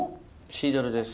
シードルです。